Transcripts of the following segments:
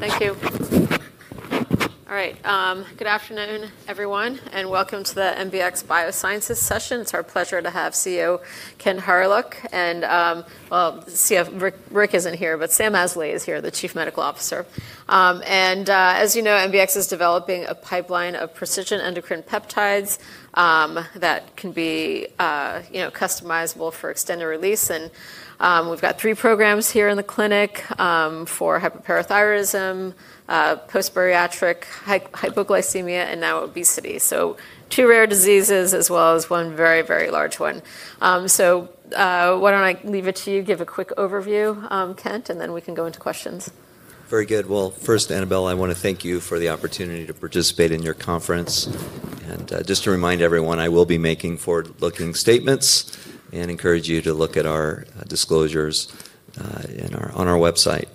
Thank you. All right. Good afternoon, everyone, and welcome to the MBX Biosciences session. It's our pleasure to have CEO Kent Hawryluk. Rick isn't here, but Sam Azoulay is here, the Chief Medical Officer. As you know, MBX is developing a pipeline of precision endocrine peptides that can be customizable for extended release. We've got three programs here in the clinic for hypoparathyroidism, post-bariatric hypoglycemia, and now obesity. Two rare diseases, as well as one very, very large one. Why don't I leave it to you? Give a quick overview, Kent, and then we can go into questions. Very good. First, Annabel, I want to thank you for the opportunity to participate in your conference. Just to remind everyone, I will be making forward-looking statements and encourage you to look at our disclosures on our website.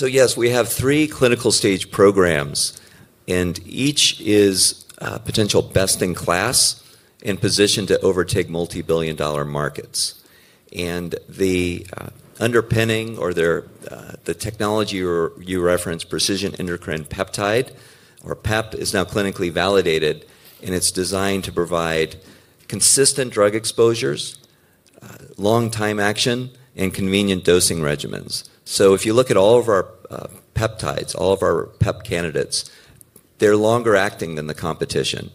Yes, we have three clinical stage programs, and each is potential best in class and positioned to overtake multibillion-dollar markets. The underpinning, or the technology you referenced, precision endocrine peptide, or PEP, is now clinically validated, and it's designed to provide consistent drug exposures, long-time action, and convenient dosing regimens. If you look at all of our peptides, all of our PEP candidates, they're longer acting than the competition.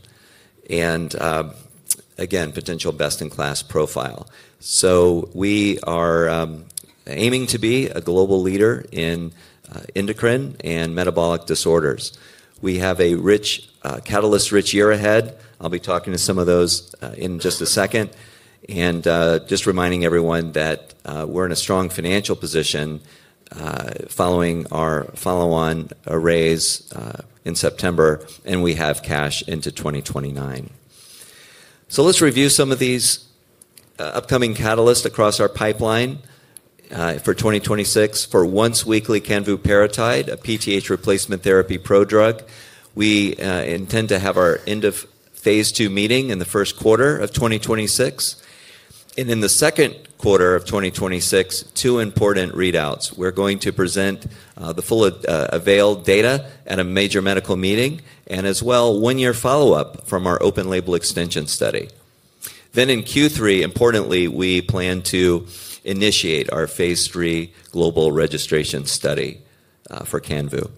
Again, potential best-in-class profile. We are aiming to be a global leader in endocrine and metabolic disorders. We have a rich catalyst-rich year ahead. I'll be talking to some of those in just a second. Just reminding everyone that we're in a strong financial position following our follow-on raise in September, and we have cash into 2029. Let's review some of these upcoming catalysts across our pipeline for 2026 for once-weekly Canvuparatide, a PTH replacement therapy prodrug. We intend to have our end-of-phase II meeting in the first quarter of 2026. In the second quarter of 2026, two important readouts. We're going to present the full avail data at a major medical meeting, and as well, one-year follow-up from our open label extension study. In Q3, importantly, we plan to initiate our phase II global registration study for [Canvu].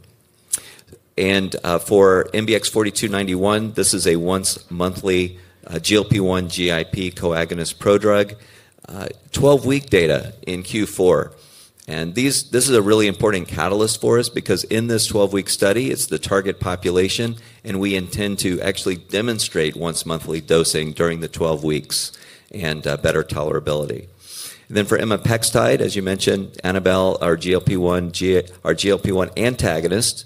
For MBX 4291, this is a once-monthly GLP-1/GIP co-agonist prodrug, 12-week data in Q4. This is a really important catalyst for us because in this 12-week study, it's the target population, and we intend to actually demonstrate once-monthly dosing during the 12 weeks and better tolerability. For Emmapextide, as you mentioned, Annabel, our GLP-1 antagonist,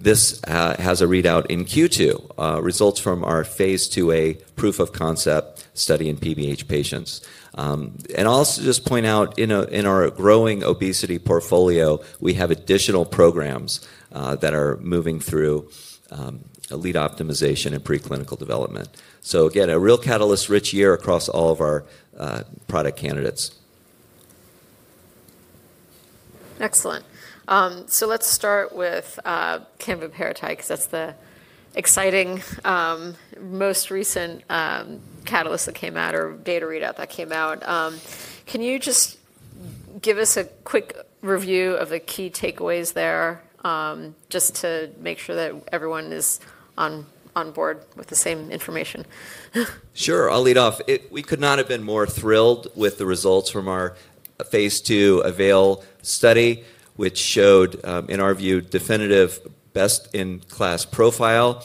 this has a readout in Q2, results from our phase two A proof of concept study in PBH patients. I'll also just point out, in our growing obesity portfolio, we have additional programs that are moving through lead optimization and preclinical development. Again, a real catalyst-rich year across all of our product candidates. Excellent. Let's start with Canvuparatide because that's the exciting, most recent catalyst that came out or data readout that came out. Can you just give us a quick review of the key takeaways there just to make sure that everyone is on board with the same information? Sure. I'll lead off. We could not have been more thrilled with the results from our phase II AVAIL study, which showed, in our view, definitive best-in-class profile.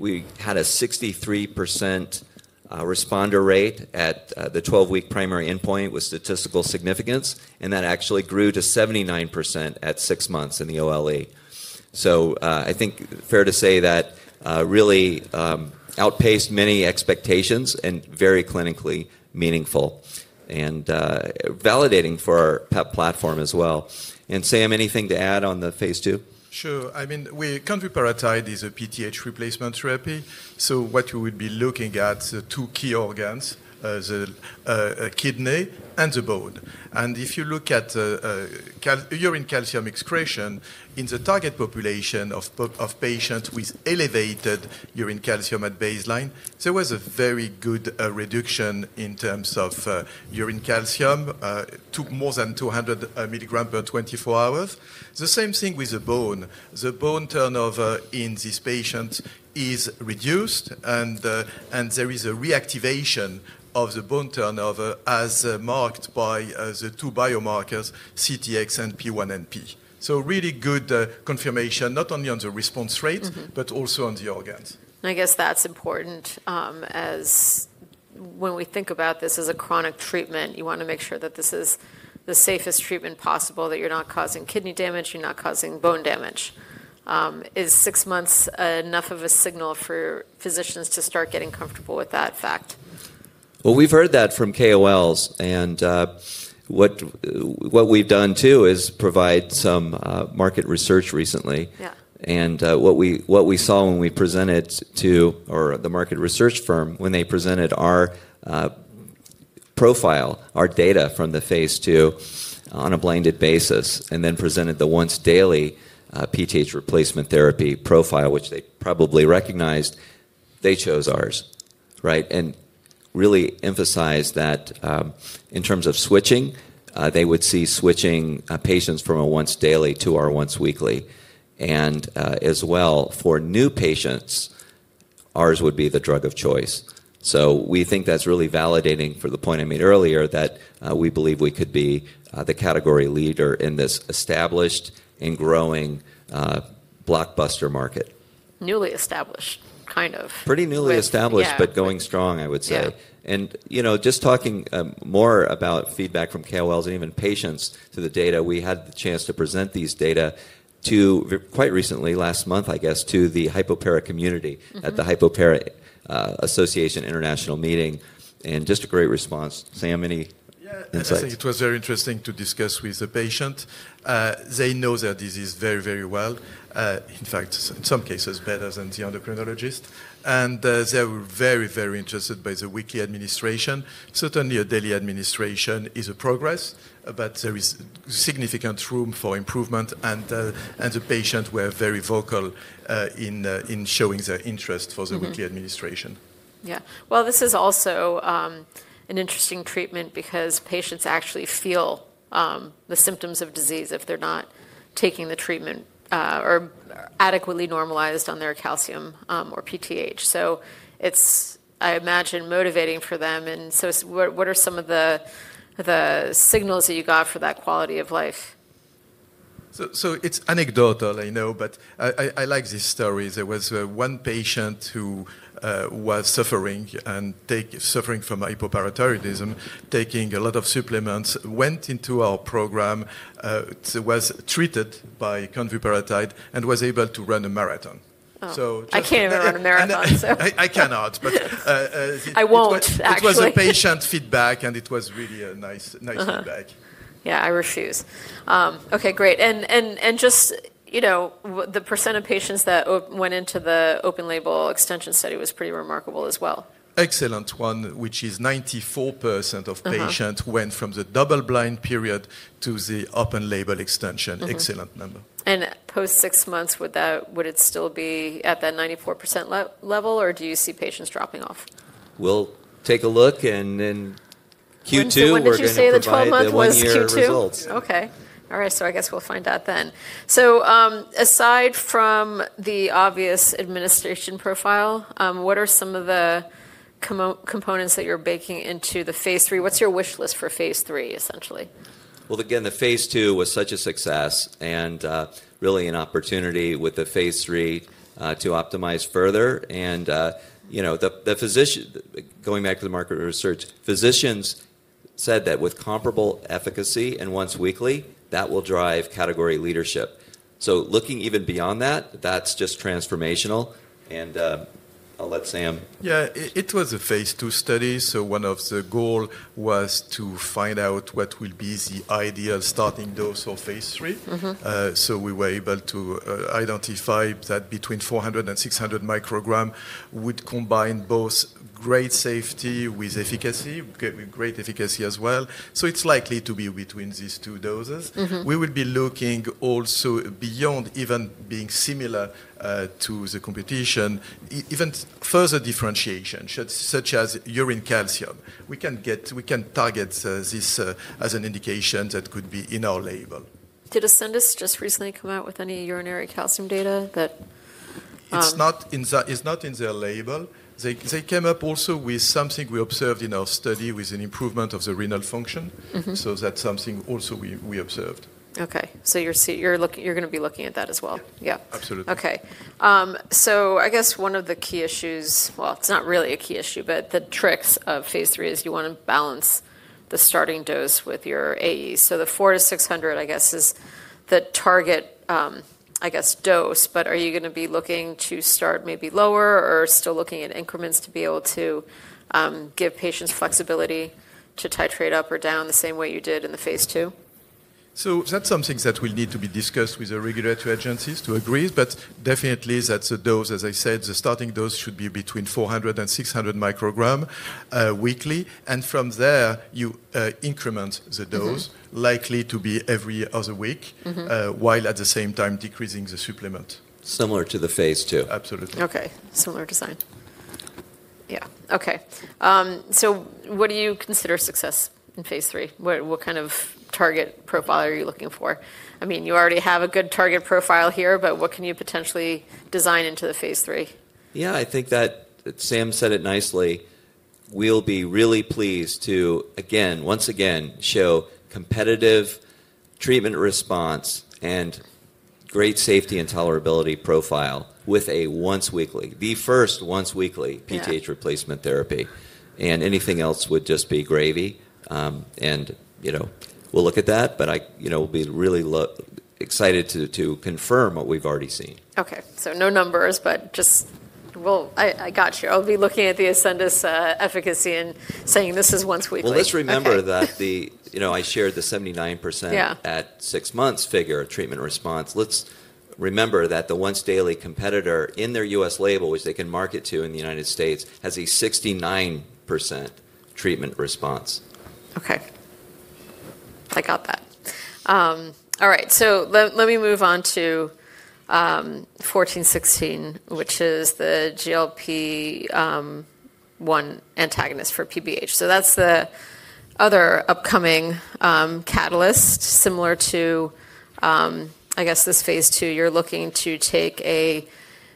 We had a 63% responder rate at the 12-week primary endpoint with statistical significance, and that actually grew to 79% at six months in the OLE. I think fair to say that really outpaced many expectations and very clinically meaningful and validating for our PEP platform as well. Sam, anything to add on the phase II? Sure. I mean, Canvuparatide is a PTH replacement therapy. What we would be looking at, the two key organs, the kidney and the bone. If you look at urine calcium excretion, in the target population of patients with elevated urine calcium at baseline, there was a very good reduction in terms of urine calcium. It took more than 200 milligrams per 24 hours. The same thing with the bone. The bone turnover in these patients is reduced, and there is a reactivation of the bone turnover as marked by the two biomarkers, CTX and P1NP. Really good confirmation, not only on the response rate, but also on the organs. I guess that's important. As when we think about this as a chronic treatment, you want to make sure that this is the safest treatment possible, that you're not causing kidney damage, you're not causing bone damage. Is six months enough of a signal for physicians to start getting comfortable with that fact? We've heard that from KOLs. What we've done, too, is provide some market research recently. What we saw when we presented to the market research firm, when they presented our profile, our data from the phase two on a blended basis, and then presented the once-daily PTH replacement therapy profile, which they probably recognized, they chose ours, right? They really emphasized that in terms of switching, they would see switching patients from a once-daily to our once-weekly. As well, for new patients, ours would be the drug of choice. We think that's really validating for the point I made earlier that we believe we could be the category leader in this established and growing blockbuster market. Newly established, kind of. Pretty newly established, but going strong, I would say. Just talking more about feedback from KOLs and even patients to the data, we had the chance to present these data quite recently, last month, I guess, to the hypopara community at the Hypopara Association International meeting. Just a great response. Sam, any insights? Yeah, I think it was very interesting to discuss with the patient. They know their disease very, very well. In fact, in some cases, better than the endocrinologist. They were very, very interested by the weekly administration. Certainly, a daily administration is a progress, but there is significant room for improvement. The patients were very vocal in showing their interest for the weekly administration. Yeah. This is also an interesting treatment because patients actually feel the symptoms of disease if they're not taking the treatment or adequately normalized on their calcium or PTH. I imagine it's motivating for them. What are some of the signals that you got for that quality of life? It's anecdotal, I know, but I like this story. There was one patient who was suffering from hypoparathyroidism, taking a lot of supplements, went into our program, was treated by Canvuparatide, and was able to run a marathon. I can't even run a marathon, so. I cannot, but. I won't. It was a patient feedback, and it was really a nice feedback. Yeah, I refuse. Okay, great. Just the percentage of patients that went into the open label extension study was pretty remarkable as well. Excellent one, which is 94% of patients went from the double-blind period to the open label extension. Excellent number. Post six months, would it still be at that 94% level, or do you see patients dropping off? We'll take a look and then Q2. Didn't you say the 12-month was Q2? Okay. All right. I guess we'll find out then. Aside from the obvious administration profile, what are some of the components that you're baking into the phase III? What's your wish list for phase III, essentially? The phase II was such a success and really an opportunity with the phase III to optimize further. And the physician, going back to the market research, physicians said that with comparable efficacy and once weekly, that will drive category leadership. Looking even beyond that, that's just transformational. I'll let Sam. Yeah, it was a phase II study. One of the goals was to find out what will be the ideal starting dose of phase three. We were able to identify that between 400 and 600 micrograms would combine both great safety with efficacy, great efficacy as well. It's likely to be between these two doses. We will be looking also beyond even being similar to the competition, even further differentiation, such as urine calcium. We can target this as an indication that could be in our label. Did Ascendis just recently come out with any urinary calcium data? It's not in their label. They came up also with something we observed in our study with an improvement of the renal function. That's something also we observed. Okay. So, you're going to be looking at that as well? Yeah. Absolutely. Okay. I guess one of the key issues, well, it's not really a key issue, but the tricks of phase three is you want to balance the starting dose with your AE. The 400-600, I guess, is the target, I guess, dose. Are you going to be looking to start maybe lower or still looking at increments to be able to give patients flexibility to titrate up or down the same way you did in the phase II? That's something that will need to be discussed with the regulatory agencies to agree. Definitely, that's a dose, as I said, the starting dose should be between 400 and 600 micrograms weekly. From there, you increment the dose, likely to be every other week, while at the same time decreasing the supplement. Similar to the phase II. Absolutely. Okay. Similar design. Yeah. Okay. What do you consider success in phase III? What kind of target profile are you looking for? I mean, you already have a good target profile here, but what can you potentially design into the phase III? Yeah, I think that Sam said it nicely. We'll be really pleased to, again, once again, show competitive treatment response and great safety and tolerability profile with a once-weekly, the first once-weekly PTH replacement therapy. Anything else would just be gravy. We'll look at that, but we'll be really excited to confirm what we've already seen. Okay. So, no numbers, but just I got you. I'll be looking at the Ascendis efficacy and saying this is once-weekly. Let's remember that I shared the 79% at six months figure of treatment response. Let's remember that the once-daily competitor in their U.S. label, which they can market to in the United States, has a 69% treatment response. Okay. I got that. All right. Let me move on to 1416, which is the GLP-1 antagonist for PBH. That's the other upcoming catalyst, similar to, I guess, this phase two. You're looking to take a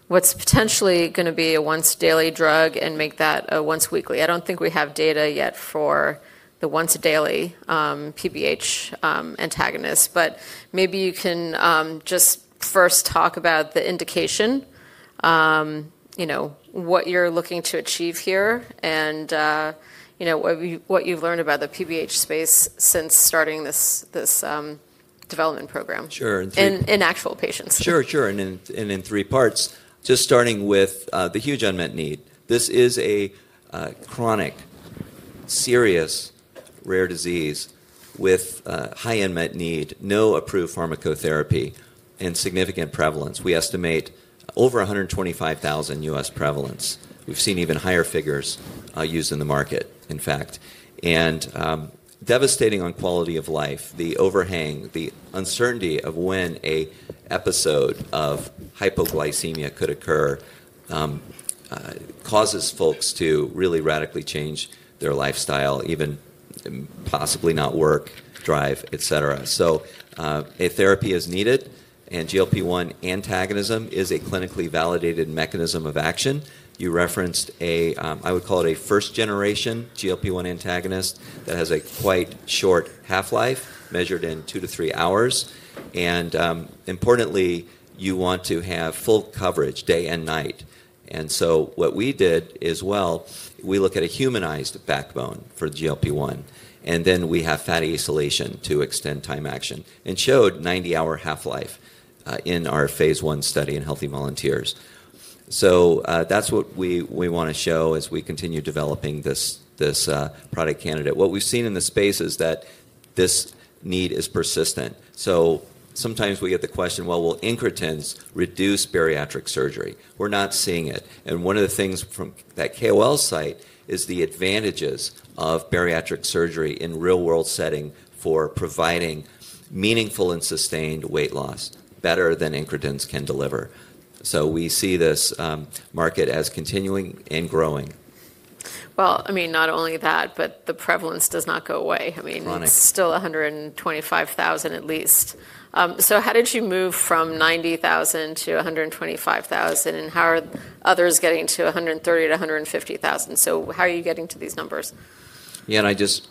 what's potentially going to be a once-daily drug and make that a once-weekly. I don't think we have data yet for the once-daily PBH antagonist, but maybe you can just first talk about the indication, what you're looking to achieve here, and what you've learned about the PBH space since starting this development program in actual patients. Sure, sure. In three parts, just starting with the huge unmet need. This is a chronic, serious, rare disease with high unmet need, no approved pharmacotherapy, and significant prevalence. We estimate over 125,000 U.S., prevalence. We've seen even higher figures used in the market, in fact. Devastating on quality of life, the overhang, the uncertainty of when an episode of hypoglycemia could occur causes folks to really radically change their lifestyle, even possibly not work, drive, etc. A therapy is needed, and GLP-1 antagonism is a clinically validated mechanism of action. You referenced a, I would call it a first-generation GLP-1 antagonist that has a quite short half-life, measured in two to three hours. Importantly, you want to have full coverage, day and night. What we did is, we look at a humanized backbone for GLP-1, and then we have fat acetylation to extend time action, and showed 90-hour half-life in our phase I study in healthy volunteers. That is what we want to show as we continue developing this product candidate. What we have seen in the space is that this need is persistent. Sometimes we get the question, will Incretins reduce bariatric surgery? We are not seeing it. One of the things from that KOL site is the advantages of bariatric surgery in real-world setting for providing meaningful and sustained weight loss, better than Incretins can deliver. We see this market as continuing and growing. I mean, not only that, but the prevalence does not go away. I mean, it's still 125,000 at least. How did you move from 90,000 to 125,000? How are others getting to 130,000-150,000? How are you getting to these numbers? Yeah, and I just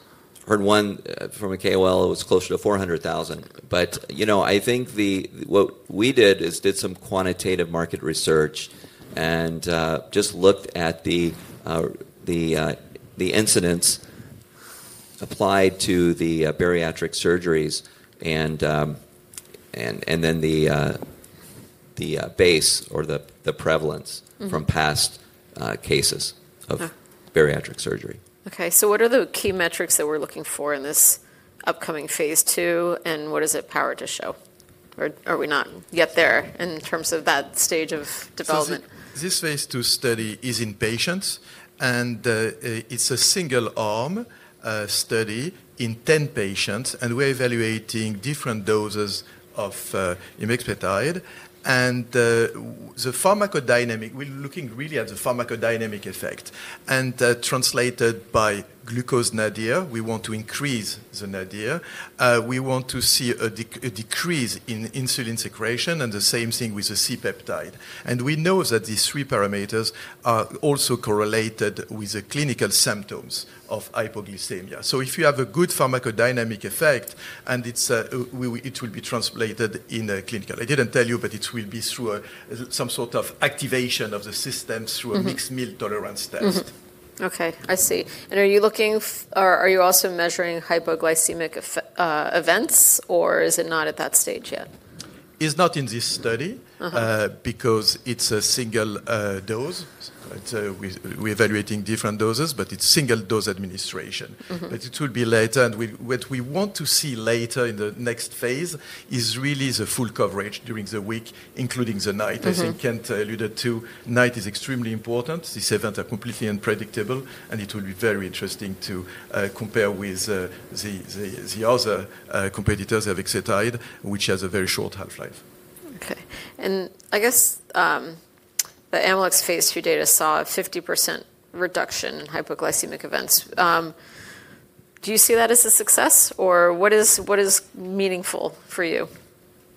heard one from a KOL who was closer to 400,000. I think what we did is did some quantitative market research and just looked at the incidence applied to the bariatric surgeries and then the base or the prevalence from past cases of bariatric surgery. Okay. What are the key metrics that we're looking for in this upcoming phase II, and what does it power to show? Or are we not yet there in terms of that stage of development? This phase II study is in patients, and it's a single-arm study in 10 patients, and we're evaluating different doses of Imipremine. The pharmacodynamic, we're looking really at the pharmacodynamic effect. Translated by glucose nadir, we want to increase the nadir. We want to see a decrease in insulin secretion, and the same thing with the C-peptide. We know that these three parameters are also correlated with the clinical symptoms of hypoglycemia. If you have a good pharmacodynamic effect, it will be translated in a clinical. I didn't tell you, but it will be through some sort of activation of the system through a mixed meal tolerance test. Okay. I see. Are you looking, or are you also measuring hypoglycemic events, or is it not at that stage yet? It's not in this study because it's a single dose. We're evaluating different doses, but it's single-dose administration. It will be later. What we want to see later in the next phase is really the full coverage during the week, including the night, as Kent alluded to. Night is extremely important. These events are completely unpredictable, and it will be very interesting to compare with the other competitors of Excitid, which has a very short half-life. Okay. I guess the AmLex phase II data saw a 50% reduction in hypoglycemic events. Do you see that as a success, or what is meaningful for you?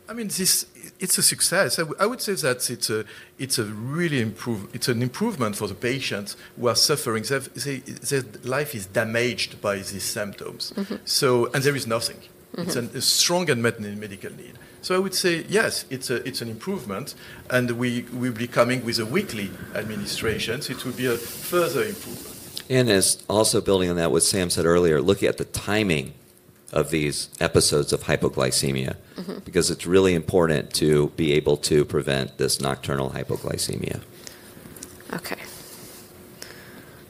I mean, it's a success. I would say that it's an improvement for the patients who are suffering. Their life is damaged by these symptoms. There is nothing. It's a strong unmet medical need. I would say, yes, it's an improvement. We'll be coming with a weekly administration. It will be a further improvement. Also building on that, what Sam said earlier, look at the timing of these episodes of hypoglycemia, because it's really important to be able to prevent this nocturnal hypoglycemia. Okay.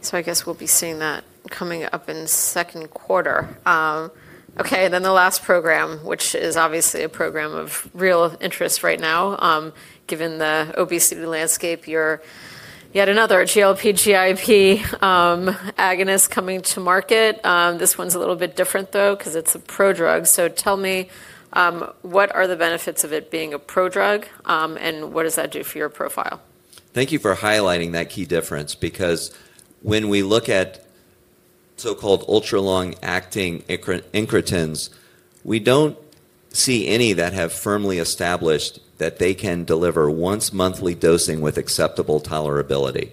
So, I guess we'll be seeing that coming up in second quarter. Okay. And then the last program, which is obviously a program of real interest right now, given the obesity landscape, you're yet another GLP/GIP agonist coming to market. This one's a little bit different, though, because it's a prodrug. So, tell me, what are the benefits of it being a prodrug, and what does that do for your profile? Thank you for highlighting that key difference, because when we look at so-called ultra-long-acting incretins, we don't see any that have firmly established that they can deliver once-monthly dosing with acceptable tolerability.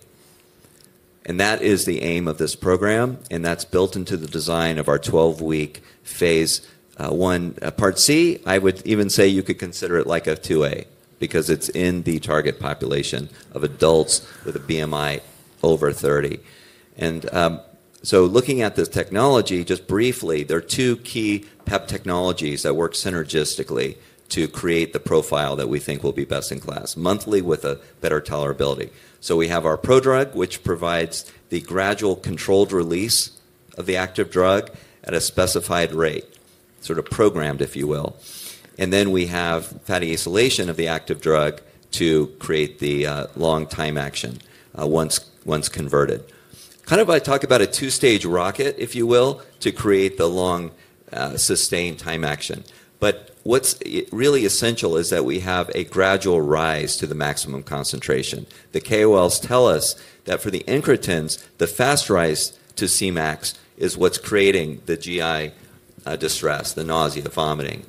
That is the aim of this program, and that's built into the design of our 12-week phase one part C. I would even say you could consider it like a 2A, because it's in the target population of adults with a BMI over 30. Looking at the technology, just briefly, there are two key PEP technologies that work synergistically to create the profile that we think will be best in class, monthly with a better tolerability. We have our prodrug, which provides the gradual controlled release of the active drug at a specified rate, sort of programmed, if you will. We have fat acetylation of the active drug to create the long-time action once converted. Kind of I talk about a two-stage rocket, if you will, to create the long-sustained time action. What is really essential is that we have a gradual rise to the maximum concentration. The KOLs tell us that for the Incretins, the fast rise to Cmax is what is creating the GI distress, the nausea, the vomiting.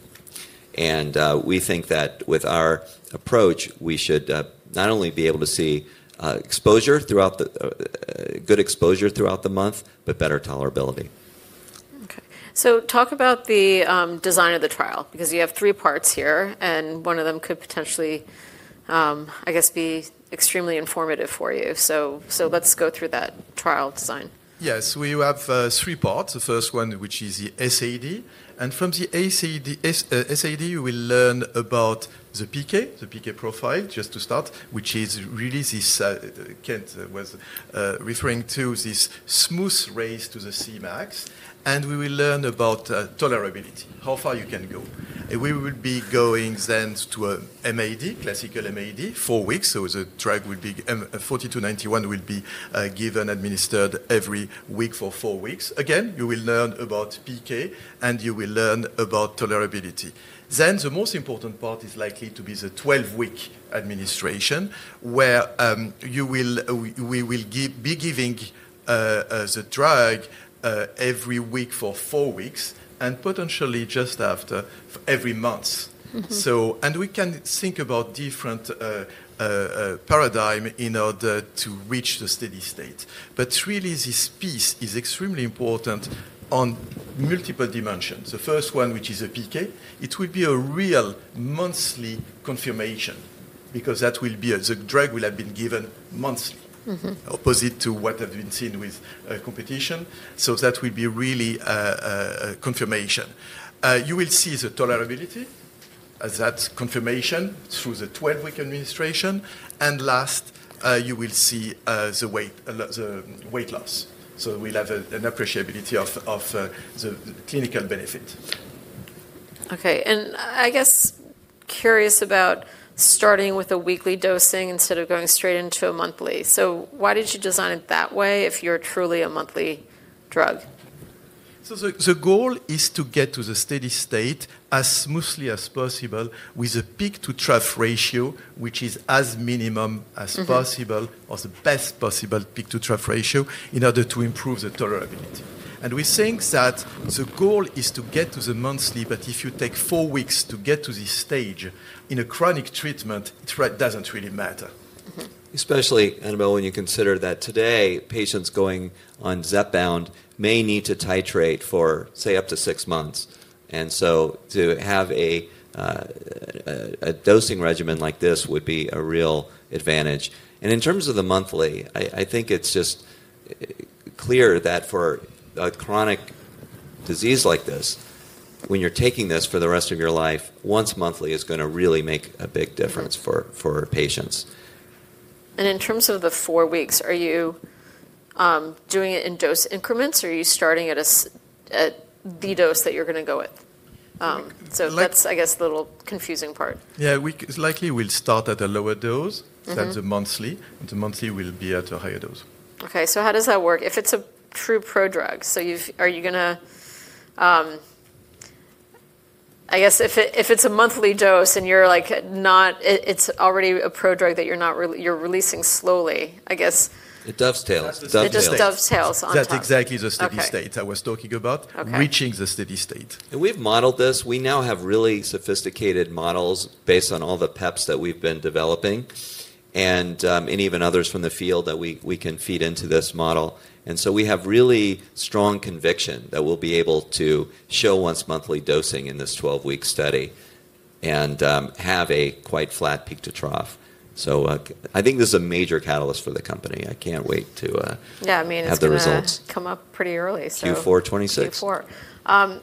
We think that with our approach, we should not only be able to see exposure throughout the month, but better tolerability. Okay. So, talk about the design of the trial, because you have three parts here, and one of them could potentially, I guess, be extremely informative for you. So, let's go through that trial design. Yes. We have three parts. The first one, which is the SAD. From the SAD, we'll learn about the PK, the PK profile, just to start, which is really this, Kent was referring to, this smooth raise to the Cmax. We will learn about tolerability, how far you can go. We will be going then to an MAD, classical MAD, four weeks. The drug, MBX 4291, will be given, administered every week for four weeks. Again, you will learn about PK, and you will learn about tolerability. The most important part is likely to be the 12-week administration, where we will be giving the drug every week for four weeks, and potentially just after every month. We can think about different paradigms in order to reach the steady state. Really, this piece is extremely important on multiple dimensions. The first one, which is a PK, it will be a real monthly confirmation, because that will be the drug will have been given monthly, opposite to what has been seen with competition. That will be really a confirmation. You will see the tolerability, that confirmation through the 12-week administration. Last, you will see the weight loss. We'll have an appreciability of the clinical benefit. Okay. I guess curious about starting with a weekly dosing instead of going straight into a monthly. Why did you design it that way if you're truly a monthly drug? The goal is to get to the steady state as smoothly as possible with a peak-to-trough ratio, which is as minimum as possible, or the best possible peak-to-trough ratio in order to improve the tolerability. We think that the goal is to get to the monthly, but if you take four weeks to get to this stage in a chronic treatment, it doesn't really matter. Especially, Annabel, when you consider that today, patients going on Zepbound may need to titrate for, say, up to six months. To have a dosing regimen like this would be a real advantage. In terms of the monthly, I think it's just clear that for a chronic disease like this, when you're taking this for the rest of your life, once monthly is going to really make a big difference for patients. In terms of the four weeks, are you doing it in dose increments, or are you starting at the dose that you're going to go with? That's, I guess, the little confusing part. Yeah, likely we'll start at a lower dose than the monthly, and the monthly will be at a higher dose. Okay. So, how does that work? If it's a true prodrug, so are you going to, I guess, if it's a monthly dose and you're like, it's already a prodrug that you're releasing slowly, I guess. It dovetails. It dovetails. It just dovetails onto. That's exactly the steady state I was talking about, reaching the steady state. We've modeled this. We now have really sophisticated models based on all the PEPs that we've been developing, and even others from the field that we can feed into this model. We have really strong conviction that we'll be able to show once-monthly dosing in this 12-week study and have a quite flat peak-to-trough. I think this is a major catalyst for the company. I can't wait to have the results. Yeah, I mean, it's going to come up pretty early, so. Q4, 26. Why do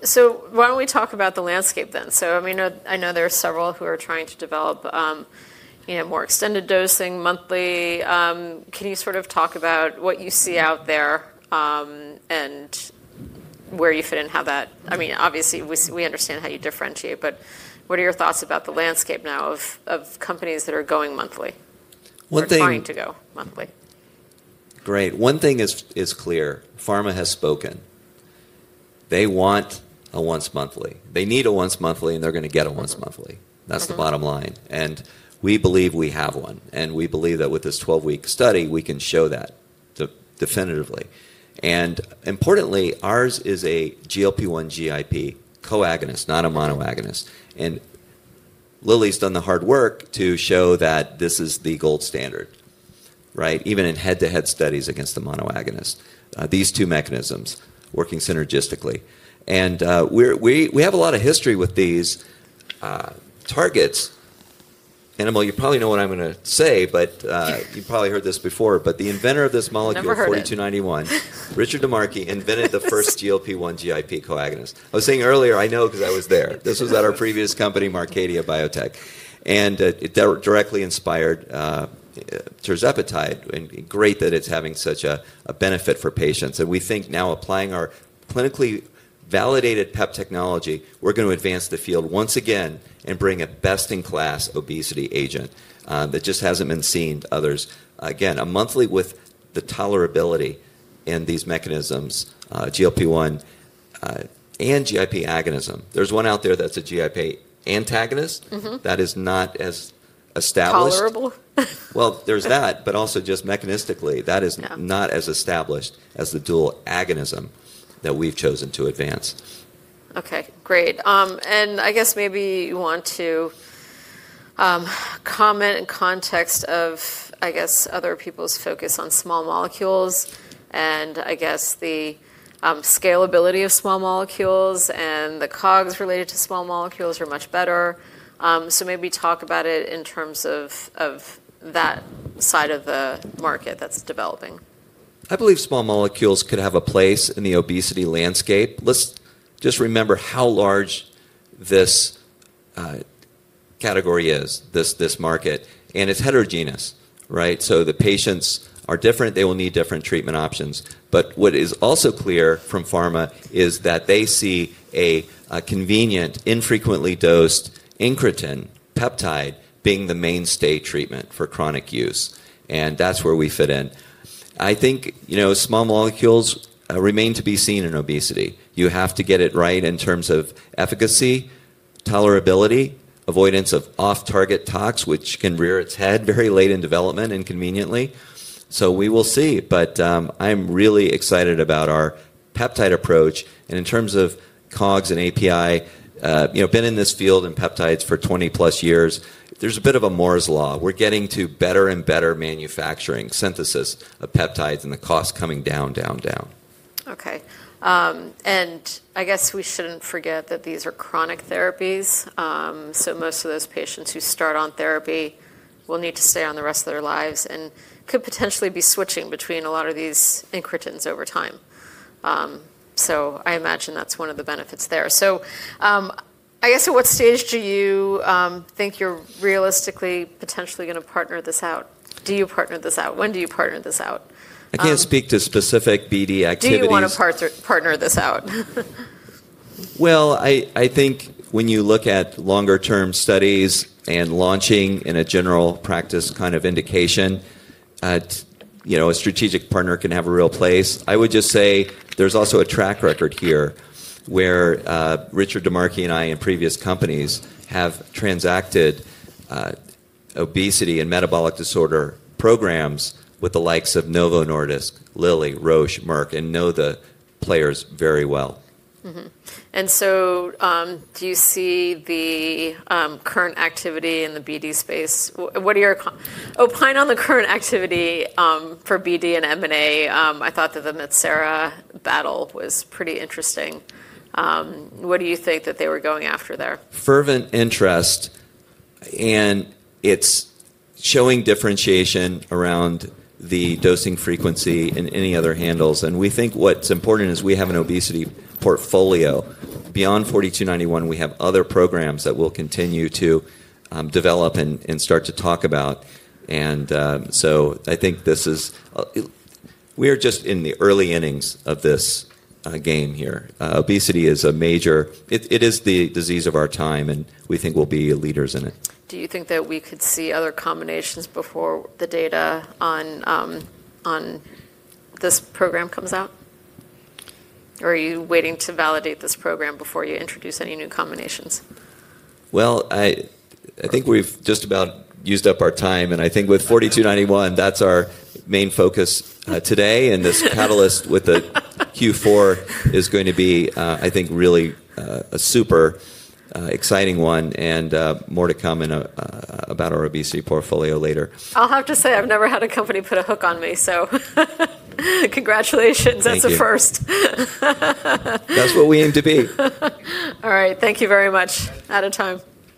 not we talk about the landscape then? I mean, I know there are several who are trying to develop more extended dosing monthly. Can you sort of talk about what you see out there and where you fit in, how that, I mean, obviously, we understand how you differentiate, but what are your thoughts about the landscape now of companies that are going monthly or trying to go monthly? Great. One thing is clear. Pharma has spoken. They want a once-monthly. They need a once-monthly, and they're going to get a once-monthly. That's the bottom line. We believe we have one. We believe that with this 12-week study, we can show that definitively. Importantly, ours is a GLP-1/GIP co-agonist, not a monoagonist. Lilly's done the hard work to show that this is the gold standard, right? Even in head-to-head studies against the monoagonist, these two mechanisms working synergistically. We have a lot of history with these targets. Annabel, you probably know what I'm going to say, but you've probably heard this before, but the inventor of this molecule, 4291, Richard DiMarchi, invented the first GLP-1/GIP co-agonist. I was saying earlier, I know because I was there. This was at our previous company, Marcadia Biotech. It directly inspired tirzepatide, and great that it's having such a benefit for patients. We think now applying our clinically validated PEP technology, we're going to advance the field once again and bring a best-in-class obesity agent that just hasn't been seen others. Again, a monthly with the tolerability in these mechanisms, GLP-1 and GIP agonism. There's one out there that's a GIP antagonist that is not as established. Tolerable. There's that, but also just mechanistically, that is not as established as the dual agonism that we've chosen to advance. Okay. Great. I guess maybe you want to comment in context of, I guess, other people's focus on small molecules, and I guess the scalability of small molecules and the COGs related to small molecules are much better. Maybe talk about it in terms of that side of the market that's developing. I believe small molecules could have a place in the obesity landscape. Let's just remember how large this category is, this market, and it's heterogeneous, right? The patients are different. They will need different treatment options. What is also clear from pharma is that they see a convenient, infrequently dosed Incretin peptide being the mainstay treatment for chronic use. That's where we fit in. I think small molecules remain to be seen in obesity. You have to get it right in terms of efficacy, tolerability, avoidance of off-target tox, which can rear its head very late in development inconveniently. We will see. I'm really excited about our peptide approach. In terms of COGs and API, been in this field and peptides for 20-plus years, there's a bit of a Moore's Law. We're getting to better and better manufacturing synthesis of peptides and the cost coming down, down, down. Okay. I guess we shouldn't forget that these are chronic therapies. Most of those patients who start on therapy will need to stay on the rest of their lives and could potentially be switching between a lot of these Incretins over time. I imagine that's one of the benefits there. I guess at what stage do you think you're realistically potentially going to partner this out? Do you partner this out? When do you partner this out? I can't speak to specific BD activity. Do you want to partner this out? I think when you look at longer-term studies and launching in a general practice kind of indication, a strategic partner can have a real place. I would just say there's also a track record here where Richard DiMarchi and I in previous companies have transacted obesity and metabolic disorder programs with the likes of Novo Nordisk, Lilly, Roche, Merck, and know the players very well. Do you see the current activity in the BD space? What are your opinions on the current activity for BD and MNA? I thought that the Metsera battle was pretty interesting. What do you think that they were going after there? Fervent interest, and it is showing differentiation around the dosing frequency in any other handles. We think what is important is we have an obesity portfolio. Beyond 4291, we have other programs that we will continue to develop and start to talk about. I think we are just in the early innings of this game here. Obesity is a major, it is the disease of our time, and we think we will be leaders in it. Do you think that we could see other combinations before the data on this program comes out? Or are you waiting to validate this program before you introduce any new combinations? I think we've just about used up our time. I think with 4291, that's our main focus today. This catalyst with the Q4 is going to be, I think, really a super exciting one. More to come about our obesity portfolio later. I'll have to say I've never had a company put a hook on me. Congratulations. That's a first. That's what we aim to be. All right. Thank you very much. Out of time.